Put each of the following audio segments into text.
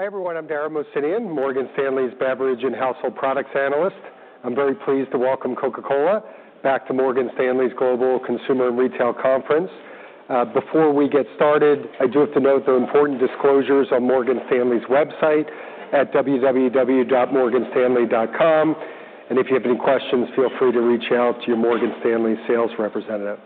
Hi everyone, I'm Dara Mohsenian, Morgan Stanley's beverage and household products analyst. I'm very pleased to welcome Coca-Cola back to Morgan Stanley's Global Consumer Retail Conference. Before we get started, I do have to note the important disclosures on Morgan Stanley's website at www.morganstanley.com, and if you have any questions, feel free to reach out to your Morgan Stanley sales representative.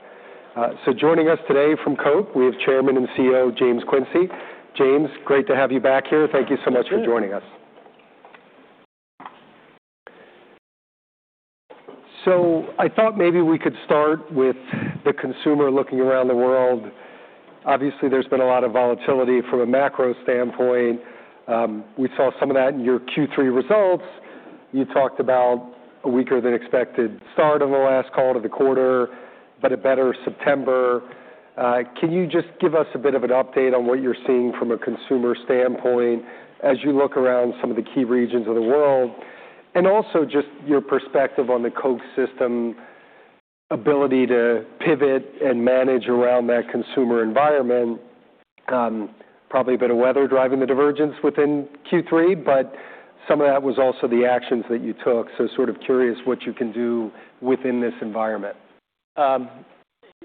Joining us today from Coke, we have Chairman and CEO James Quincey. James, great to have you back here. Thank you so much for joining us. Thank you. I thought maybe we could start with the consumer looking around the world. Obviously, there's been a lot of volatility from a macro standpoint. We saw some of that in your Q3 results. You talked about a weaker-than-expected start on the last call to the quarter, but a better September. Can you just give us a bit of an update on what you're seeing from a consumer standpoint as you look around some of the key regions of the world? Also, just your perspective on the Coke system's ability to pivot and manage around that consumer environment. Probably a bit of weather driving the divergence within Q3, but some of that was also the actions that you took. Sort of curious what you can do within this environment.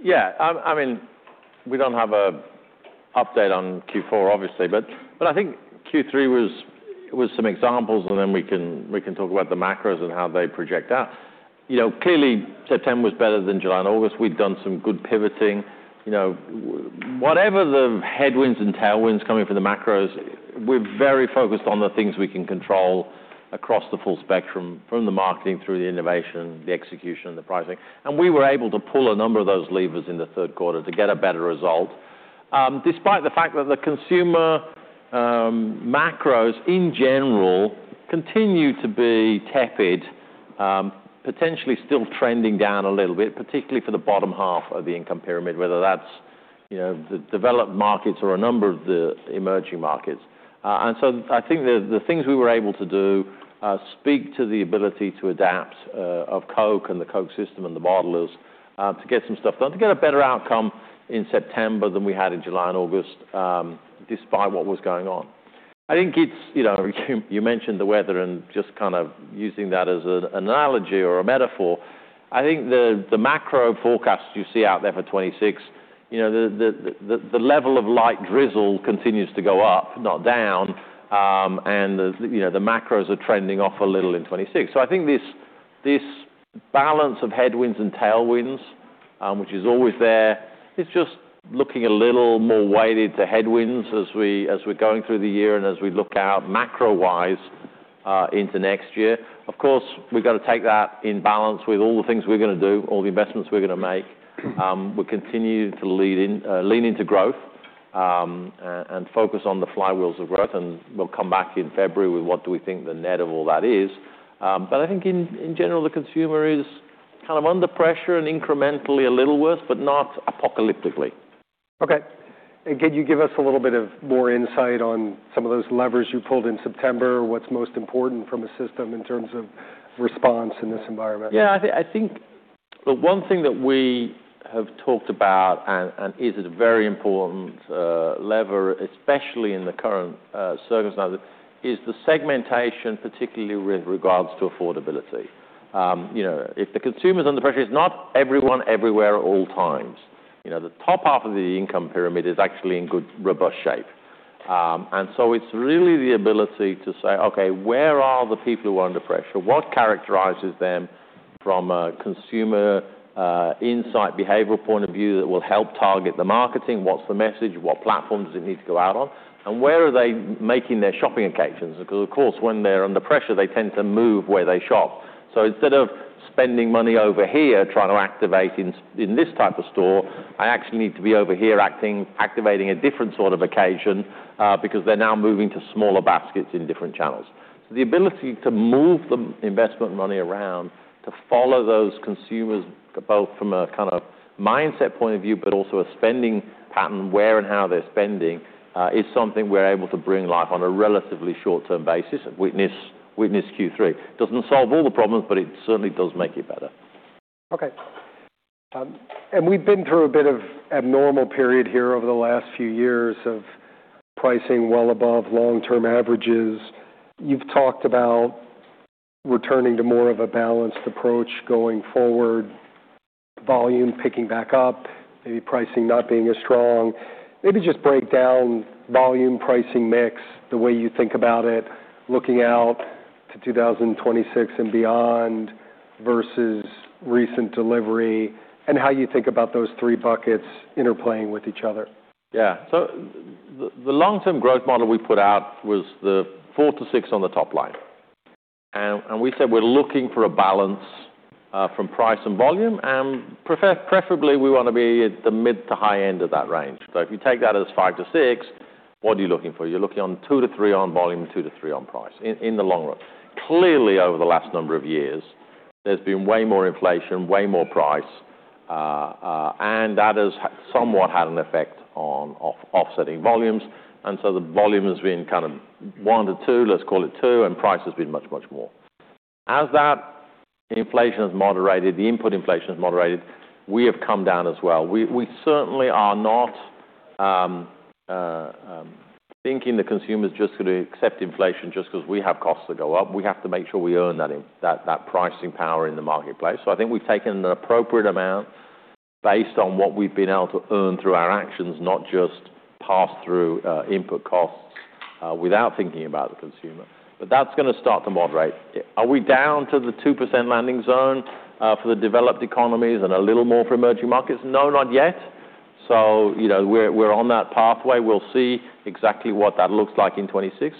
Yeah, I mean, we do not have an update on Q4, obviously, but I think Q3 was some examples, and then we can talk about the macros and how they project out. Clearly, September was better than July and August. We had done some good pivoting. Whatever the headwinds and tailwinds coming from the macros, we are very focused on the things we can control across the full spectrum, from the marketing through the innovation, the execution, and the pricing. We were able to pull a number of those levers in the third quarter to get a better result, despite the fact that the consumer macros in general continue to be tepid, potentially still trending down a little bit, particularly for the bottom half of the income pyramid, whether that is the developed markets or a number of the emerging markets. I think the things we were able to do speak to the ability to adapt of Coke and the Coke system and the bottlers to get some stuff done, to get a better outcome in September than we had in July and August, despite what was going on. I think you mentioned the weather and just kind of using that as an analogy or a metaphor. I think the macro forecasts you see out there for 2026, the level of light drizzle continues to go up, not down, and the macros are trending off a little in 2026. I think this balance of headwinds and tailwinds, which is always there, is just looking a little more weighted to headwinds as we're going through the year and as we look out macro-wise into next year. Of course, we've got to take that in balance with all the things we're going to do, all the investments we're going to make. We continue to lean into growth and focus on the flywheels of growth, and we'll come back in February with what do we think the net of all that is. I think in general, the consumer is kind of under pressure and incrementally a little worse, but not apocalyptically. Okay. Can you give us a little bit of more insight on some of those levers you pulled in September? What's most important from a system in terms of response in this environment? Yeah, I think the one thing that we have talked about and is a very important lever, especially in the current circumstances, is the segmentation, particularly with regards to affordability. If the consumer's under pressure, it's not everyone, everywhere, all times. The top half of the income pyramid is actually in good, robust shape. It's really the ability to say, okay, where are the people who are under pressure? What characterizes them from a consumer insight, behavioral point of view that will help target the marketing? What's the message? What platform does it need to go out on? Where are they making their shopping occasions? Because of course, when they're under pressure, they tend to move where they shop. Instead of spending money over here trying to activate in this type of store, I actually need to be over here activating a different sort of occasion because they're now moving to smaller baskets in different channels. The ability to move the investment money around, to follow those consumers both from a kind of mindset point of view, but also a spending pattern, where and how they're spending, is something we're able to bring life on a relatively short-term basis and witness Q3. It doesn't solve all the problems, but it certainly does make it better. Okay. We have been through a bit of an abnormal period here over the last few years of pricing well above long-term averages. You have talked about returning to more of a balanced approach going forward, volume picking back up, maybe pricing not being as strong. Maybe just break down volume, pricing, mix, the way you think about it, looking out to 2026 and beyond versus recent delivery, and how you think about those three buckets interplaying with each other. Yeah. The long-term growth model we put out was the four to six on the top line. We said we're looking for a balance from price and volume, and preferably we want to be at the mid to high end of that range. If you take that as five to six, what are you looking for? You're looking on two to three on volume, two to three on price in the long run. Clearly, over the last number of years, there's been way more inflation, way more price, and that has somewhat had an effect on offsetting volumes. The volume has been kind of one to two, let's call it two, and price has been much, much more. As that inflation has moderated, the input inflation has moderated, we have come down as well. We certainly are not thinking the consumer's just going to accept inflation just because we have costs that go up. We have to make sure we earn that pricing power in the marketplace. I think we've taken an appropriate amount based on what we've been able to earn through our actions, not just pass through input costs without thinking about the consumer. That's going to start to moderate. Are we down to the 2% landing zone for the developed economies and a little more for emerging markets? No, not yet. We're on that pathway. We'll see exactly what that looks like in 2026.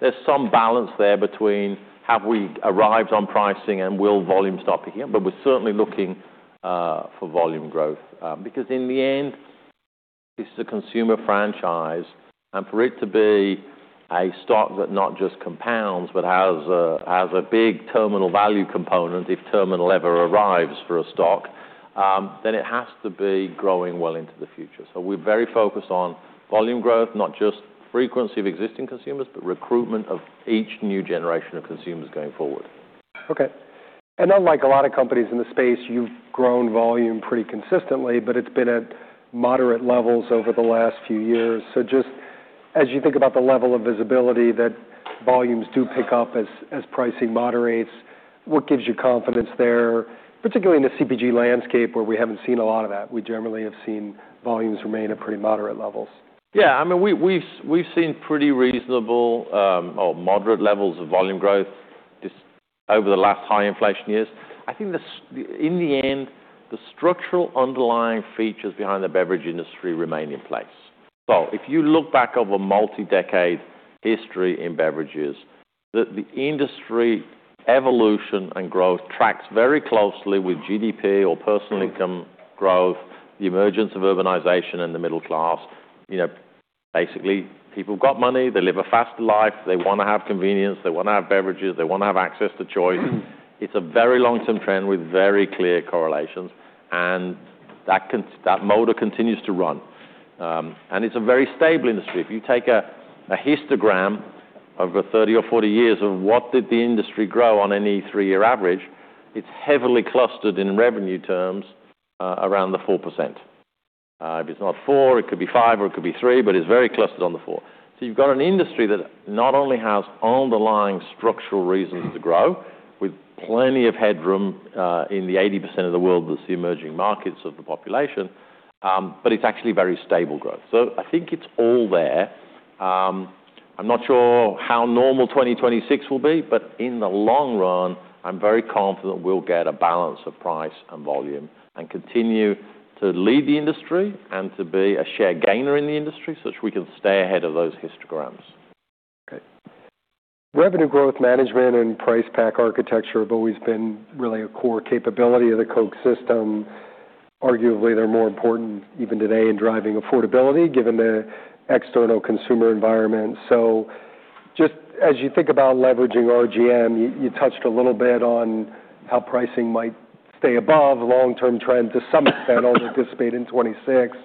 There's some balance there between have we arrived on pricing and will volumes not begin? We're certainly looking for volume growth because in the end, it's a consumer franchise, and for it to be a stock that not just compounds, but has a big terminal value component, if terminal ever arrives for a stock, then it has to be growing well into the future. We are very focused on volume growth, not just frequency of existing consumers, but recruitment of each new generation of consumers going forward. Okay. Unlike a lot of companies in the space, you've grown volume pretty consistently, but it's been at moderate levels over the last few years. Just as you think about the level of visibility that volumes do pick up as pricing moderates, what gives you confidence there, particularly in the CPG landscape where we haven't seen a lot of that? We generally have seen volumes remain at pretty moderate levels. Yeah, I mean, we've seen pretty reasonable or moderate levels of volume growth over the last high inflation years. I think in the end, the structural underlying features behind the beverage industry remain in place. If you look back over multi-decade history in beverages, the industry evolution and growth tracks very closely with GDP or personal income growth, the emergence of urbanization and the middle class. Basically, people got money, they live a faster life, they want to have convenience, they want to have beverages, they want to have access to choice. It's a very long-term trend with very clear correlations, and that motor continues to run. It's a very stable industry. If you take a histogram over 30 or 40 years of what did the industry grow on any three-year average, it's heavily clustered in revenue terms around the 4%. If it's not 4, it could be 5, or it could be 3, but it's very clustered on the 4. You have an industry that not only has underlying structural reasons to grow with plenty of headroom in the 80% of the world, that's the emerging markets of the population, but it's actually very stable growth. I think it's all there. I'm not sure how normal 2026 will be, but in the long run, I'm very confident we'll get a balance of price and volume and continue to lead the industry and to be a share gainer in the industry so that we can stay ahead of those histograms. Okay. Revenue growth management and price pack architecture have always been really a core capability of the Coke system. Arguably, they're more important even today in driving affordability given the external consumer environment. Just as you think about leveraging RGM, you touched a little bit on how pricing might stay above long-term trends to some extent, although anticipated in 2026.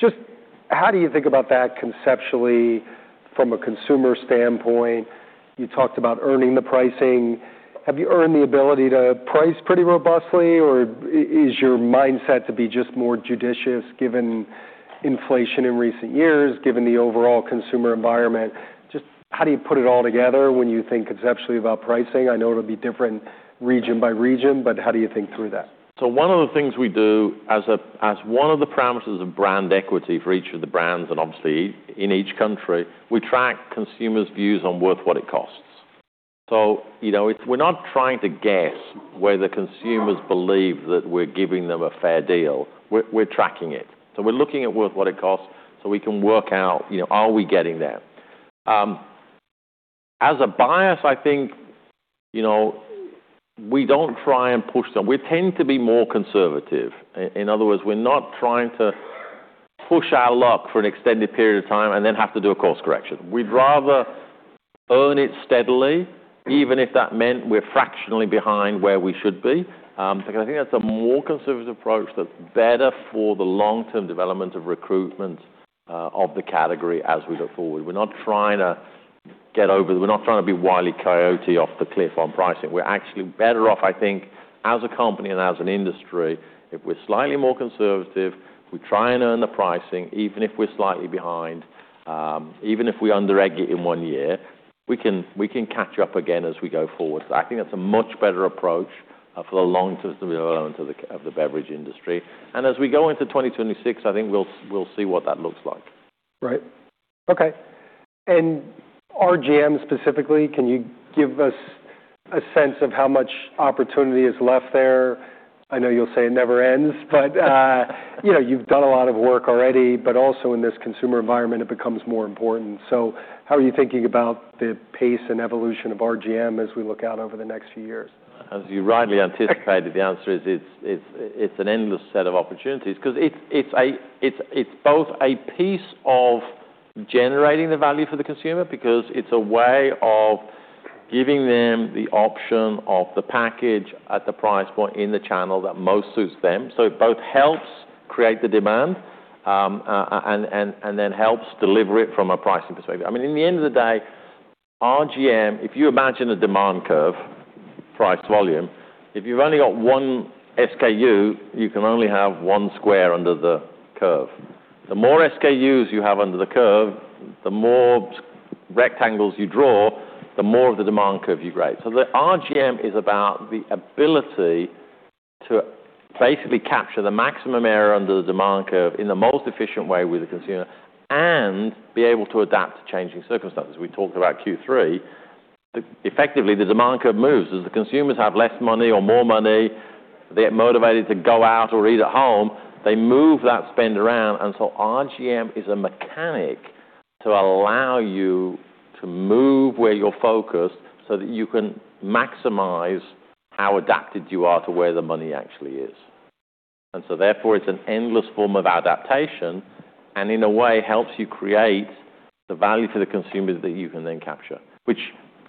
Just how do you think about that conceptually from a consumer standpoint? You talked about earning the pricing. Have you earned the ability to price pretty robustly, or is your mindset to be just more judicious given inflation in recent years, given the overall consumer environment? Just how do you put it all together when you think conceptually about pricing? I know it'll be different region by region, but how do you think through that? One of the things we do as one of the parameters of brand equity for each of the brands, and obviously in each country, we track consumers' views on worth what it costs. We are not trying to guess whether consumers believe that we are giving them a fair deal. We are tracking it. We are looking at worth what it costs so we can work out, are we getting there? As a bias, I think we do not try and push them. We tend to be more conservative. In other words, we are not trying to push our luck for an extended period of time and then have to do a course correction. We would rather earn it steadily, even if that meant we are fractionally behind where we should be, because I think that is a more conservative approach that is better for the long-term development of recruitment of the category as we look forward. We're not trying to get over the—we're not trying to be Wile E. Coyote off the cliff on pricing. We're actually better off, I think, as a company and as an industry, if we're slightly more conservative, we try and earn the pricing, even if we're slightly behind, even if we underegg it in one year, we can catch up again as we go forward. I think that's a much better approach for the long-term development of the beverage industry. As we go into 2026, I think we'll see what that looks like. Right. Okay. And RGM specifically, can you give us a sense of how much opportunity is left there? I know you'll say it never ends, but you've done a lot of work already, but also in this consumer environment, it becomes more important. How are you thinking about the pace and evolution of RGM as we look out over the next few years? As you rightly anticipated, the answer is it's an endless set of opportunities because it's both a piece of generating the value for the consumer because it's a way of giving them the option of the package at the price point in the channel that most suits them. It both helps create the demand and then helps deliver it from a pricing perspective. I mean, in the end of the day, RGM, if you imagine a demand curve, price volume, if you've only got one SKU, you can only have one square under the curve. The more SKUs you have under the curve, the more rectangles you draw, the more of the demand curve you create. The RGM is about the ability to basically capture the maximum area under the demand curve in the most efficient way with the consumer and be able to adapt to changing circumstances. We talked about Q3. Effectively, the demand curve moves as the consumers have less money or more money. They're motivated to go out or eat at home. They move that spend around. RGM is a mechanic to allow you to move where you're focused so that you can maximize how adapted you are to where the money actually is. Therefore, it's an endless form of adaptation and in a way helps you create the value for the consumers that you can then capture, which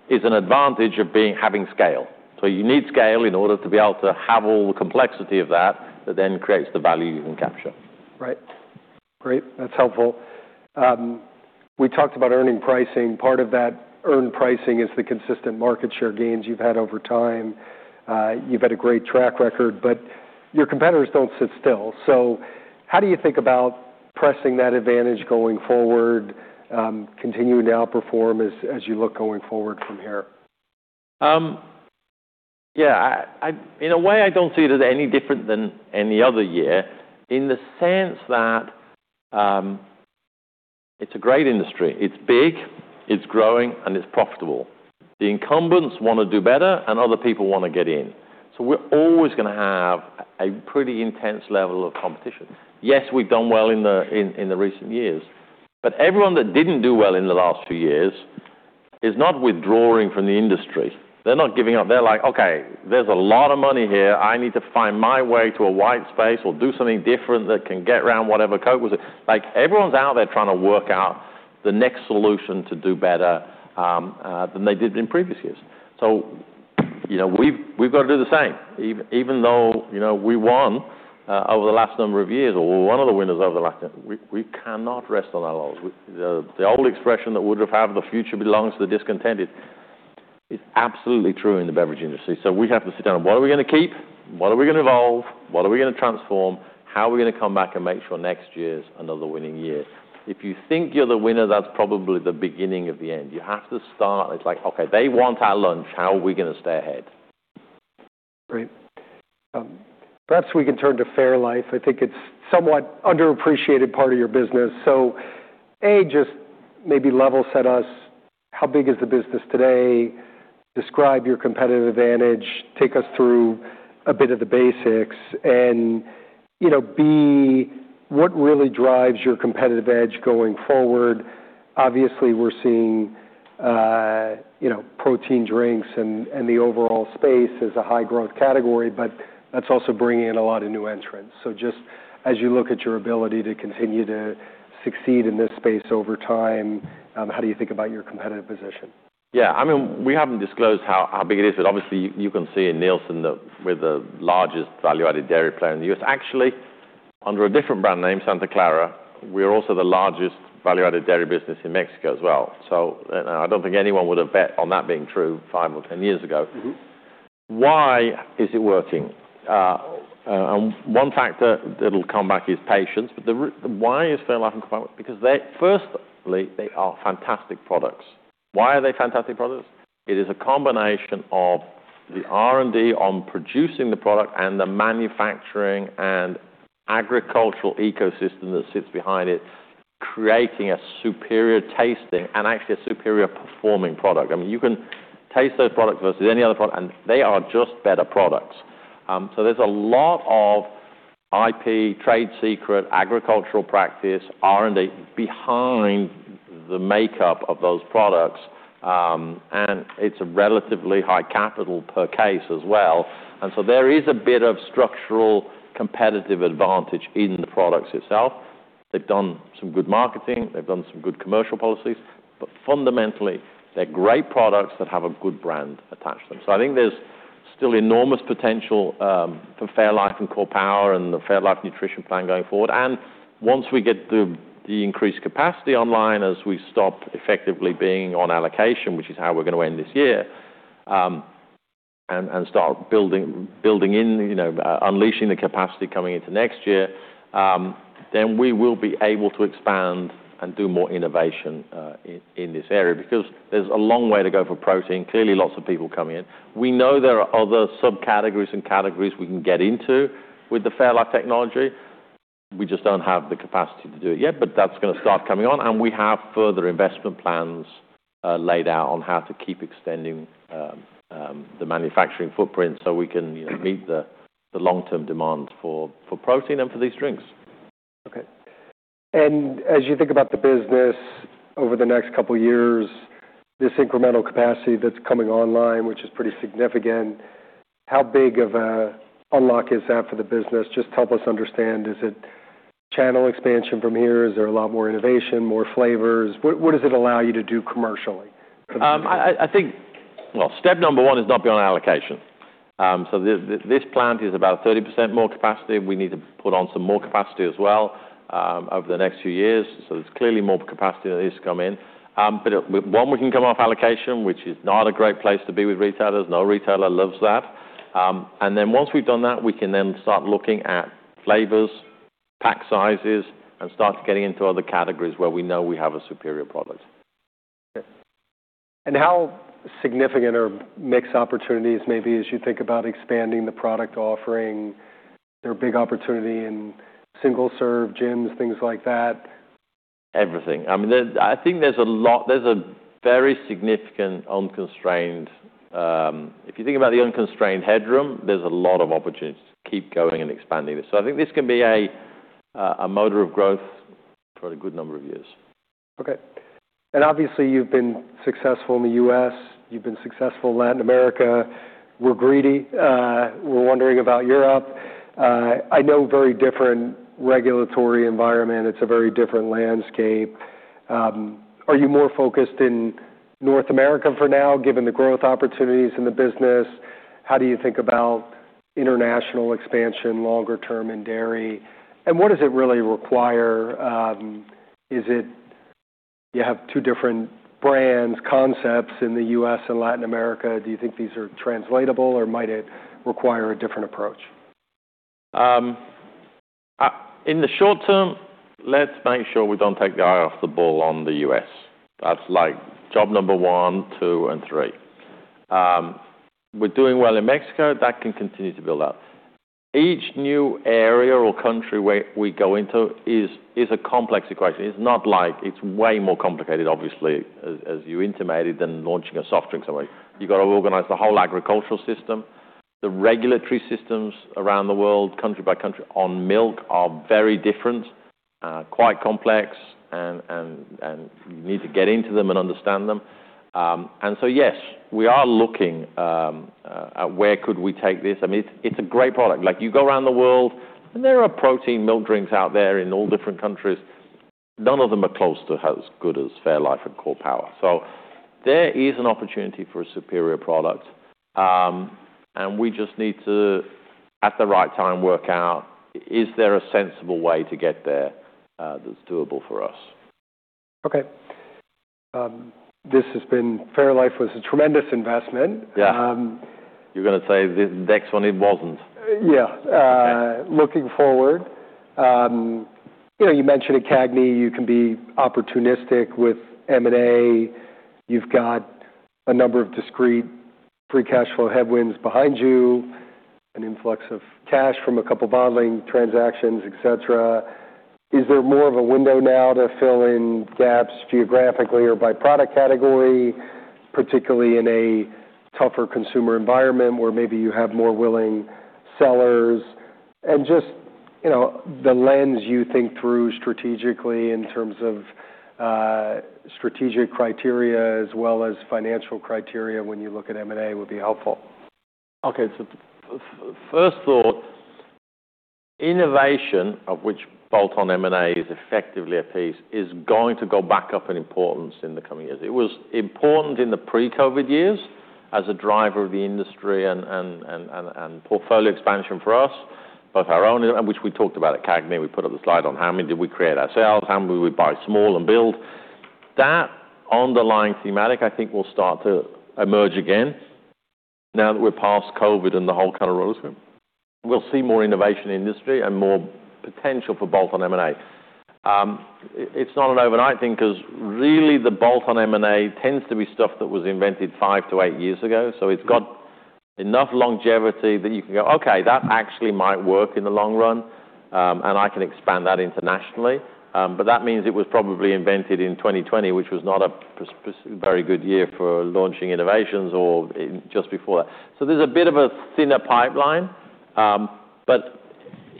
is an advantage of having scale. You need scale in order to be able to have all the complexity of that that then creates the value you can capture. Right. Great. That's helpful. We talked about earning pricing. Part of that earned pricing is the consistent market share gains you've had over time. You've had a great track record, but your competitors don't sit still. How do you think about pressing that advantage going forward, continuing to outperform as you look going forward from here? Yeah. In a way, I do not see it as any different than any other year in the sense that it is a great industry. It is big, it is growing, and it is profitable. The incumbents want to do better, and other people want to get in. We are always going to have a pretty intense level of competition. Yes, we have done well in recent years, but everyone that did not do well in the last few years is not withdrawing from the industry. They are not giving up. They are like, "Okay, there is a lot of money here. I need to find my way to a white space or do something different that can get around whatever Coke was." Everyone is out there trying to work out the next solution to do better than they did in previous years. We have got to do the same. Even though we won over the last number of years or one of the winners over the last year, we cannot rest on our laurels. The old expression that would have had the future belongs to the discontented is absolutely true in the beverage industry. We have to sit down and what are we going to keep? What are we going to evolve? What are we going to transform? How are we going to come back and make sure next year's another winning year? If you think you're the winner, that's probably the beginning of the end. You have to start. It's like, "Okay, they want our lunch. How are we going to stay ahead? Right. Perhaps we can turn to Fairlife. I think it's a somewhat underappreciated part of your business. So, A, just maybe level set us. How big is the business today? Describe your competitive advantage. Take us through a bit of the basics. B, what really drives your competitive edge going forward? Obviously, we're seeing protein drinks and the overall space as a high-growth category, but that's also bringing in a lot of new entrants. Just as you look at your ability to continue to succeed in this space over time, how do you think about your competitive position? Yeah. I mean, we have not disclosed how big it is, but obviously, you can see in Nielsen that we are the largest value-added dairy player in the U.S. Actually, under a different brand name, Santa Clara, we are also the largest value-added dairy business in Mexico as well. I do not think anyone would have bet on that being true five or ten years ago. Why is it working? One factor that will come back is patience. Why is Fairlife incompatible? Because firstly, they are fantastic products. Why are they fantastic products? It is a combination of the R&D on producing the product and the manufacturing and agricultural ecosystem that sits behind it, creating a superior tasting and actually a superior performing product. I mean, you can taste those products versus any other product, and they are just better products. There is a lot of IP, trade secret, agricultural practice, R&D behind the makeup of those products, and it's a relatively high capital per case as well. There is a bit of structural competitive advantage in the products itself. They've done some good marketing. They've done some good commercial policies, but fundamentally, they're great products that have a good brand attached to them. I think there's still enormous potential for Fairlife and Core Power and the Fairlife Nutrition Plan going forward. Once we get the increased capacity online as we stop effectively being on allocation, which is how we're going to end this year, and start building in, unleashing the capacity coming into next year, we will be able to expand and do more innovation in this area because there's a long way to go for protein. Clearly, lots of people coming in. We know there are other subcategories and categories we can get into with the Fairlife technology. We just do not have the capacity to do it yet, but that is going to start coming on. We have further investment plans laid out on how to keep extending the manufacturing footprint so we can meet the long-term demand for protein and for these drinks. Okay. As you think about the business over the next couple of years, this incremental capacity that's coming online, which is pretty significant, how big of an unlock is that for the business? Just help us understand. Is it channel expansion from here? Is there a lot more innovation, more flavors? What does it allow you to do commercially? I think, well, step number one is not beyond allocation. This plant is about 30% more capacity. We need to put on some more capacity as well over the next few years. There is clearly more capacity that needs to come in. When we can come off allocation, which is not a great place to be with retailers, no retailer loves that. Once we have done that, we can then start looking at flavors, pack sizes, and start getting into other categories where we know we have a superior product. Okay. How significant are mixed opportunities maybe as you think about expanding the product offering? Is there a big opportunity in single-serve gyms, things like that? Everything. I mean, I think there's a very significant unconstrained. If you think about the unconstrained headroom, there's a lot of opportunities to keep going and expanding this. I think this can be a motor of growth for a good number of years. Okay. Obviously, you've been successful in the U.S. You've been successful in Latin America. We're greedy. We're wondering about Europe. I know very different regulatory environment. It's a very different landscape. Are you more focused in North America for now, given the growth opportunities in the business? How do you think about international expansion longer term in dairy? What does it really require? Is it you have two different brands, concepts in the U.S. and Latin America? Do you think these are translatable, or might it require a different approach? In the short term, let's make sure we don't take the eye off the ball on the US. That's like job number one, two, and three. We're doing well in Mexico. That can continue to build up. Each new area or country we go into is a complex equation. It's not like it's way more complicated, obviously, as you intimated, than launching a soft drink somewhere. You've got to organize the whole agricultural system. The regulatory systems around the world, country by country on milk, are very different, quite complex, and you need to get into them and understand them. Yes, we are looking at where could we take this. I mean, it's a great product. You go around the world, and there are protein milk drinks out there in all different countries. None of them are close to as good as Fairlife and Core Power. There is an opportunity for a superior product, and we just need to, at the right time, work out, is there a sensible way to get there that's doable for us? Okay. This has been Fairlife was a tremendous investment. You're going to say the next one it wasn't. Yeah. Looking forward. You mentioned CAGNY. You can be opportunistic with M&A. You've got a number of discrete free cash flow headwinds behind you, an influx of cash from a couple of bottling transactions, etc. Is there more of a window now to fill in gaps geographically or by product category, particularly in a tougher consumer environment where maybe you have more willing sellers? Just the lens you think through strategically in terms of strategic criteria as well as financial criteria when you look at M&A would be helpful. Okay. First thought, innovation, of which bolt-on M&A is effectively a piece, is going to go back up in importance in the coming years. It was important in the pre-COVID years as a driver of the industry and portfolio expansion for us, both our own, which we talked about at CAGNY. We put up the slide on how many did we create ourselves, how many we buy small and build. That underlying thematic, I think, will start to emerge again now that we're past COVID and the whole kind of rotisserie. We'll see more innovation in the industry and more potential for bolt-on M&A. It's not an overnight thing because really the bolt-on M&A tends to be stuff that was invented five to eight years ago. It has got enough longevity that you can go, "Okay, that actually might work in the long run, and I can expand that internationally." That means it was probably invented in 2020, which was not a very good year for launching innovations or just before that. There is a bit of a thinner pipeline.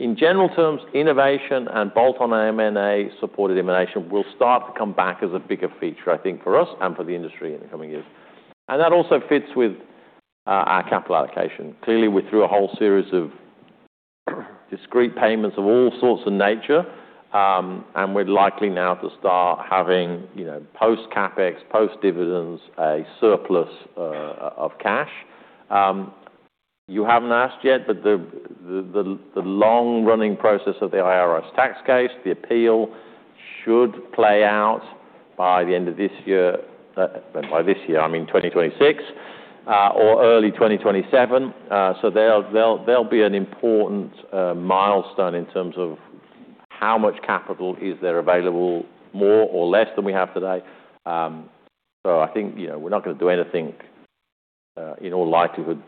In general terms, innovation and bolt-on M&A supported innovation will start to come back as a bigger feature, I think, for us and for the industry in the coming years. That also fits with our capital allocation. Clearly, we threw a whole series of discrete payments of all sorts of nature, and we are likely now to start having post-CapEx, post-dividends, a surplus of cash. You haven't asked yet, but the long-running process of the IRS tax case, the appeal, should play out by the end of this year. By this year, I mean 2026 or early 2027. There will be an important milestone in terms of how much capital is there available, more or less than we have today. I think we're not going to do anything in all likelihood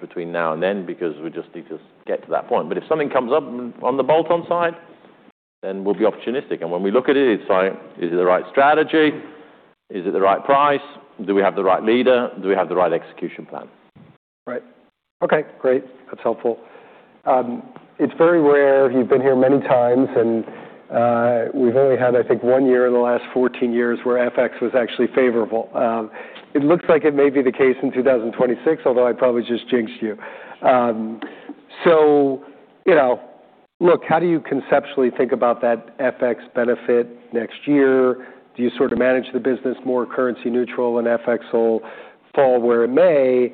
between now and then because we just need to get to that point. If something comes up on the bolt-on side, then we'll be opportunistic. When we look at it, it's like, "Is it the right strategy? Is it the right price? Do we have the right leader? Do we have the right execution plan? Right. Okay. Great. That's helpful. It's very rare. You've been here many times, and we've only had, I think, one year in the last 14 years where FX was actually favorable. It looks like it may be the case in 2026, although I probably just jinxed you. Look, how do you conceptually think about that FX benefit next year? Do you sort of manage the business more currency neutral and FX will fall where it may?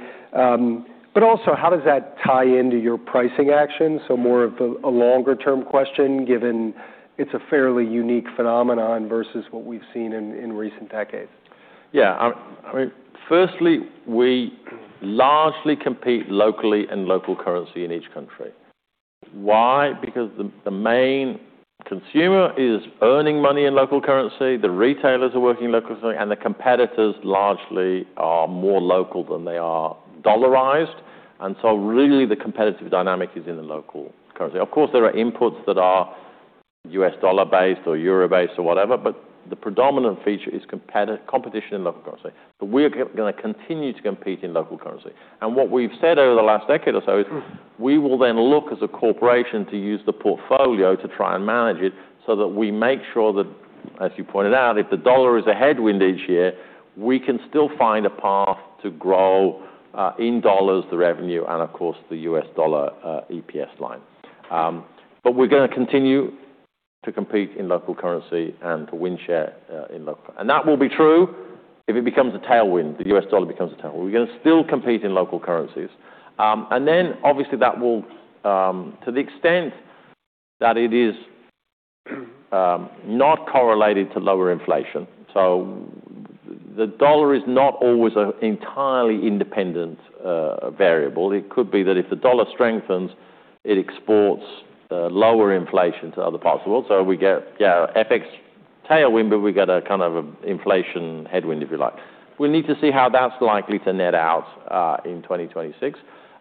Also, how does that tie into your pricing action? More of a longer-term question given it's a fairly unique phenomenon versus what we've seen in recent decades. Yeah. I mean, firstly, we largely compete locally in local currency in each country. Why? Because the main consumer is earning money in local currency. The retailers are working in local currency, and the competitors largely are more local than they are dollarized. Really the competitive dynamic is in the local currency. Of course, there are inputs that are US dollar-based or euro-based or whatever, but the predominant feature is competition in local currency. We are going to continue to compete in local currency. What we have said over the last decade or so is we will then look as a corporation to use the portfolio to try and manage it so that we make sure that, as you pointed out, if the dollar is a headwind each year, we can still find a path to grow in dollars, the revenue, and of course, the U.S. dollar EPS line. We are going to continue to compete in local currency and to win share in local. That will be true if it becomes a tailwind, the U.S. dollar becomes a tailwind. We are going to still compete in local currencies. Obviously, that will, to the extent that it is not correlated to lower inflation. The dollar is not always an entirely independent variable. It could be that if the dollar strengthens, it exports lower inflation to other parts of the world. We get FX tailwind, but we get a kind of inflation headwind, if you like. We need to see how that's likely to net out in 2026.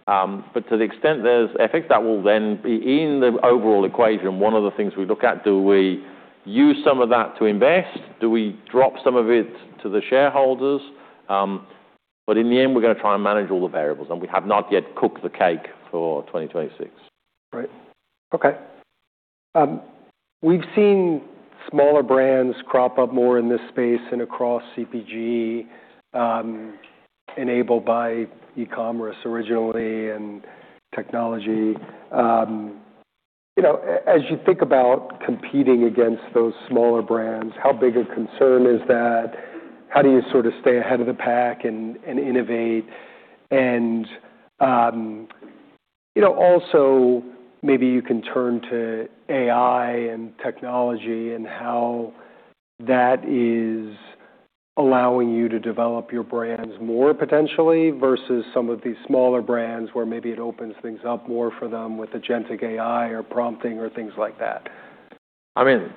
To the extent there's FX, that will then be in the overall equation. One of the things we look at, do we use some of that to invest? Do we drop some of it to the shareholders? In the end, we're going to try and manage all the variables, and we have not yet cooked the cake for 2026. Right. Okay. We've seen smaller brands crop up more in this space and across CPG enabled by e-commerce originally and technology. As you think about competing against those smaller brands, how big a concern is that? How do you sort of stay ahead of the pack and innovate? Also maybe you can turn to AI and technology and how that is allowing you to develop your brands more potentially versus some of these smaller brands where maybe it opens things up more for them with agentic AI or prompting or things like that. I mean,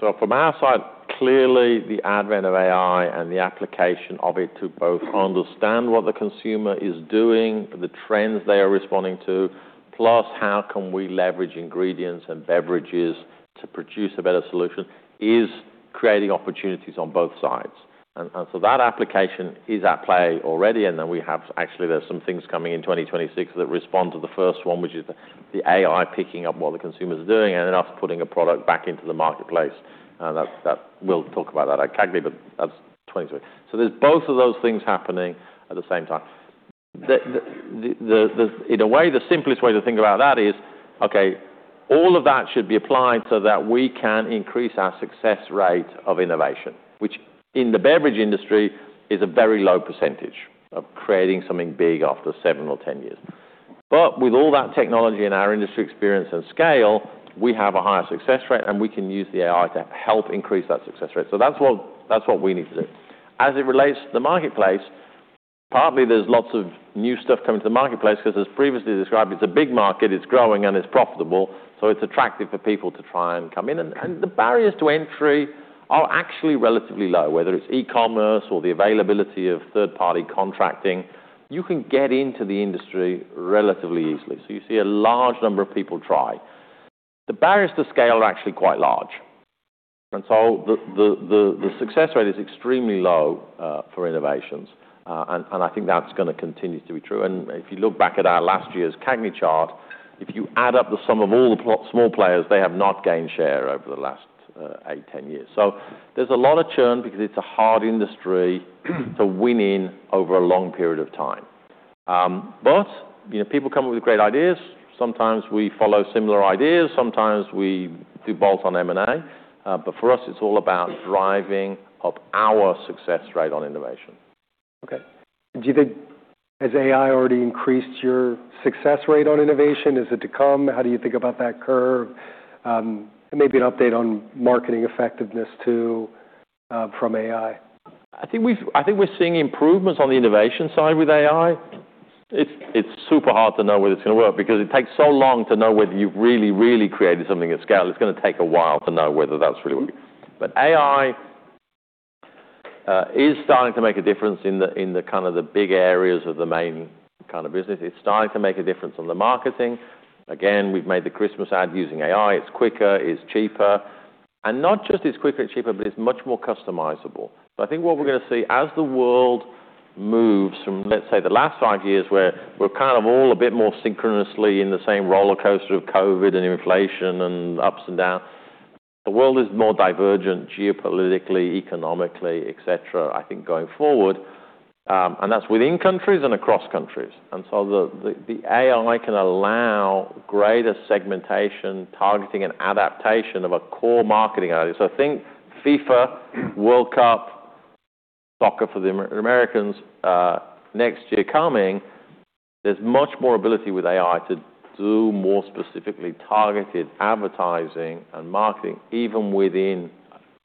so from our side, clearly the advent of AI and the application of it to both understand what the consumer is doing, the trends they are responding to, plus how can we leverage ingredients and beverages to produce a better solution is creating opportunities on both sides. That application is at play already. We have actually there's some things coming in 2026 that respond to the first one, which is the AI picking up what the consumer is doing and then us putting a product back into the marketplace. We will talk about that at CAGNY, but that is 2026. There are both of those things happening at the same time. In a way, the simplest way to think about that is, okay, all of that should be applied so that we can increase our success rate of innovation, which in the beverage industry is a very low percentage of creating something big after seven or ten years. With all that technology and our industry experience and scale, we have a higher success rate, and we can use the AI to help increase that success rate. That is what we need to do. As it relates to the marketplace, partly there is lots of new stuff coming to the marketplace because as previously described, it is a big market, it is growing, and it is profitable. It is attractive for people to try and come in. The barriers to entry are actually relatively low, whether it is e-commerce or the availability of third-party contracting. You can get into the industry relatively easily. You see a large number of people try. The barriers to scale are actually quite large. The success rate is extremely low for innovations. I think that's going to continue to be true. If you look back at our last year's CAGNY chart, if you add up the sum of all the small players, they have not gained share over the last eight to ten years. There is a lot of churn because it's a hard industry to win in over a long period of time. People come up with great ideas. Sometimes we follow similar ideas. Sometimes we do bolt-on M&A. For us, it's all about driving up our success rate on innovation. Okay. Has AI already increased your success rate on innovation, is it to come? How do you think about that curve? Maybe an update on marketing effectiveness too from AI. I think we're seeing improvements on the innovation side with AI. It's super hard to know whether it's going to work because it takes so long to know whether you've really, really created something at scale. It's going to take a while to know whether that's really working. AI is starting to make a difference in the kind of the big areas of the main kind of business. It's starting to make a difference on the marketing. Again, we've made the Christmas ad using AI. It's quicker. It's cheaper. Not just it's quicker, it's cheaper, but it's much more customizable. I think what we're going to see as the world moves from, let's say, the last five years where we're kind of all a bit more synchronously in the same roller coaster of COVID and inflation and ups and downs, the world is more divergent geopolitically, economically, etc., I think going forward. That's within countries and across countries. The AI can allow greater segmentation, targeting, and adaptation of a core marketing idea. Think FIFA, World Cup, soccer for the Americans next year coming. There's much more ability with AI to do more specifically targeted advertising and marketing even within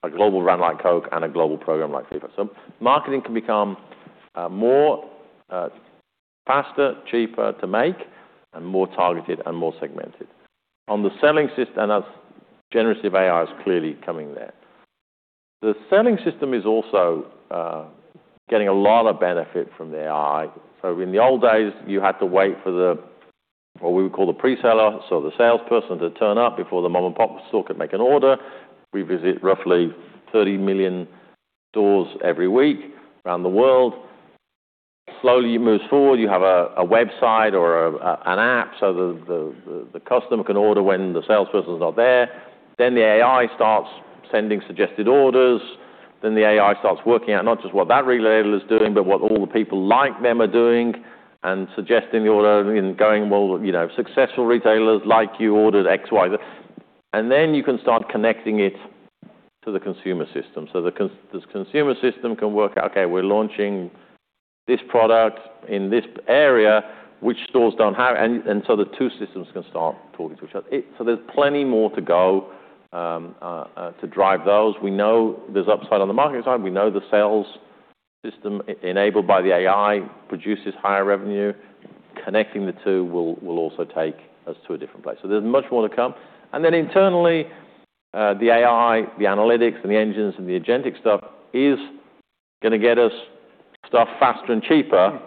a global brand like Coke and a global program like FIFA. Marketing can become faster, cheaper to make, and more targeted and more segmented. On the selling system, and that's generative AI is clearly coming there. The selling system is also getting a lot of benefit from the AI. In the old days, you had to wait for the, what we would call the preseller, so the salesperson to turn up before the mom-and-pop store could make an order. We visit roughly 30 million stores every week around the world. Slowly it moves forward. You have a website or an app so the customer can order when the salesperson's not there. The AI starts sending suggested orders. The AI starts working out not just what that retailer is doing, but what all the people like them are doing and suggesting the order and going, "Well, successful retailers like you ordered XY." You can start connecting it to the consumer system. The consumer system can work out, "Okay, we're launching this product in this area, which stores don't have." The two systems can start talking to each other. There is plenty more to go to drive those. We know there is upside on the marketing side. We know the sales system enabled by the AI produces higher revenue. Connecting the two will also take us to a different place. There is much more to come. Internally, the AI, the analytics, and the engines and the agentic stuff is going to get us stuff faster and cheaper.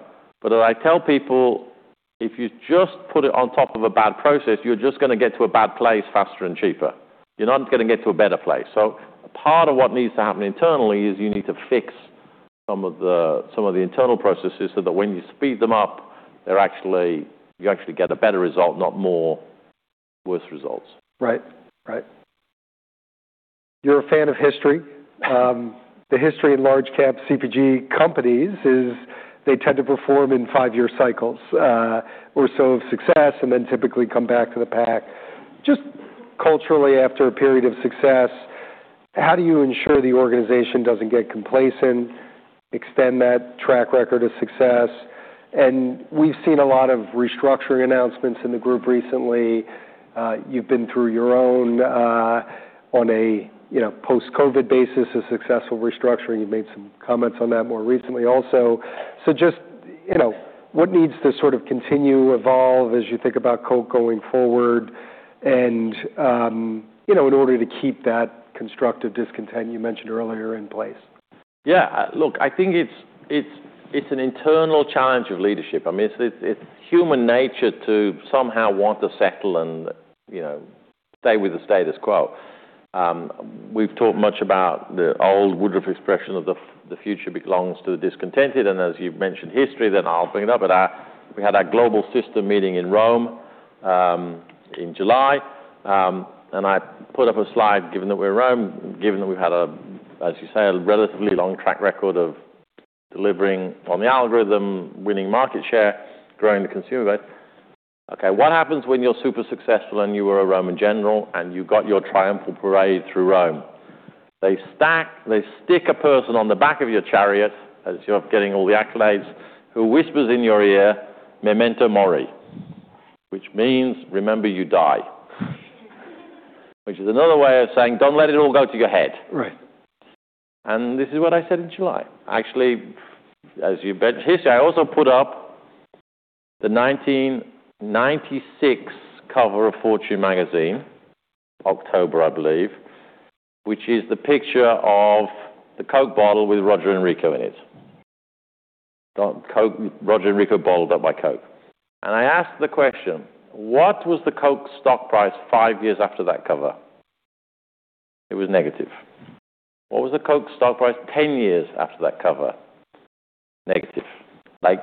As I tell people, if you just put it on top of a bad process, you're just going to get to a bad place faster and cheaper. You're not going to get to a better place. Part of what needs to happen internally is you need to fix some of the internal processes so that when you speed them up, you actually get a better result, not more worse results. Right. Right. You're a fan of history. The history in large-cap CPG companies is they tend to perform in five-year cycles or so of success and then typically come back to the pack. Just culturally, after a period of success, how do you ensure the organization doesn't get complacent, extend that track record of success? We've seen a lot of restructuring announcements in the group recently. You've been through your own on a post-COVID basis, a successful restructuring. You've made some comments on that more recently also. Just what needs to sort of continue, evolve as you think about Coke going forward and in order to keep that constructive discontent you mentioned earlier in place? Yeah. Look, I think it's an internal challenge of leadership. I mean, it's human nature to somehow want to settle and stay with the status quo. We've talked much about the old Woodruff expression of the future belongs to the discontented. As you've mentioned history, I’ll bring it up. We had our global system meeting in Rome in July. I put up a slide, given that we're in Rome, given that we've had, as you say, a relatively long track record of delivering on the algorithm, winning market share, growing the consumer base. Okay, what happens when you're super successful and you were a Roman general and you got your triumphal parade through Rome? They stick a person on the back of your chariot, as you're getting all the accolades, who whispers in your ear, "Memento mori," which means, "Remember you die," which is another way of saying, "Don't let it all go to your head. This is what I said in July. Actually, as you've read history, I also put up the 1996 cover of Fortune magazine, October, I believe, which is the picture of the Coke bottle with Roger Enrico in it. Roger Enrico bottled up by Coke. I asked the question, "What was the Coke stock price five years after that cover?" It was negative. "What was the Coke stock price ten years after that cover?" Negative. Like,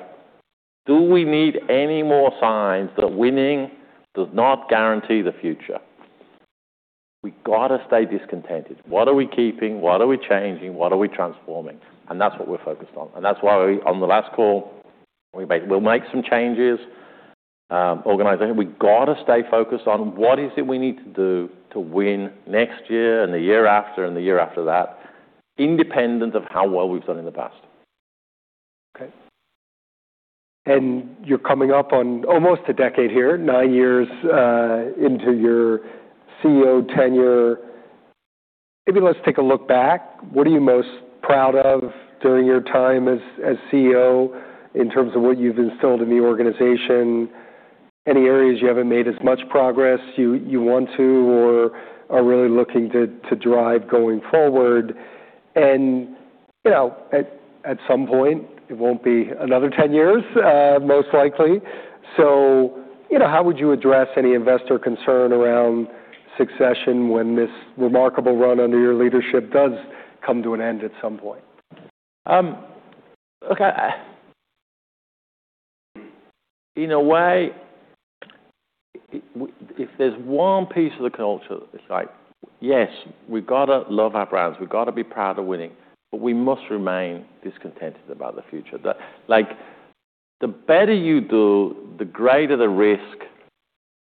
do we need any more signs that winning does not guarantee the future? We've got to stay discontented. What are we keeping? What are we changing? What are we transforming? That is what we're focused on. That is why on the last call, we'll make some changes, organization. We've got to stay focused on what is it we need to do to win next year and the year after and the year after that, independent of how well we've done in the past. Okay. You're coming up on almost a decade here, nine years into your CEO tenure. Maybe let's take a look back. What are you most proud of during your time as CEO in terms of what you've instilled in the organization? Any areas you haven't made as much progress you want to or are really looking to drive going forward? At some point, it won't be another ten years, most likely. How would you address any investor concern around succession when this remarkable run under your leadership does come to an end at some point? Look, in a way, if there's one piece of the culture, it's like, yes, we've got to love our brands. We've got to be proud of winning, but we must remain discontented about the future. The better you do, the greater the risk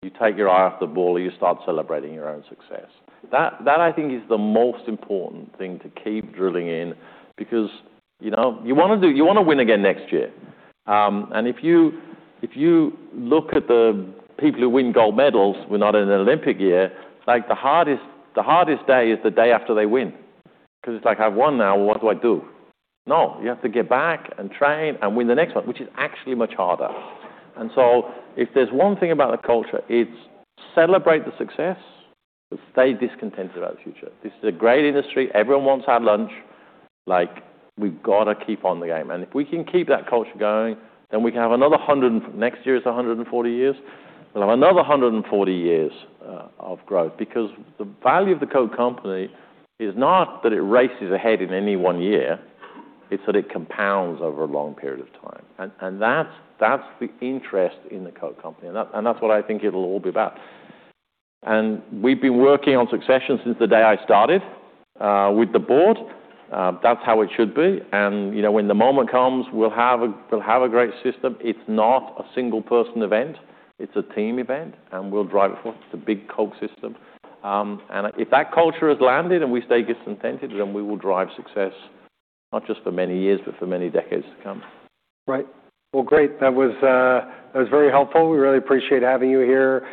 you take your eye off the ball or you start celebrating your own success. That, I think, is the most important thing to keep drilling in because you want to win again next year. If you look at the people who win gold medals, we're not in an Olympic year, the hardest day is the day after they win. Because it's like, "I've won now. What do I do?" No, you have to get back and train and win the next one, which is actually much harder. If there's one thing about the culture, it's celebrate the success, but stay discontented about the future. This is a great industry. Everyone wants to have lunch. We've got to keep on the game. If we can keep that culture going, then we can have another next year is 140 years. We'll have another 140 years of growth because the value of the Coke company is not that it races ahead in any one year. It's that it compounds over a long period of time. That's the interest in the Coke company. That's what I think it'll all be about. We've been working on succession since the day I started with the board. That's how it should be. When the moment comes, we'll have a great system. It's not a single-person event. It's a team event. We'll drive it forward. It's a big Coke system. If that culture has landed and we stay discontented, then we will drive success, not just for many years, but for many decades to come. Right. Great. That was very helpful. We really appreciate having you here.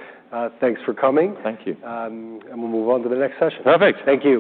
Thanks for coming. Thank you. We will move on to the next session. Perfect. Thank you.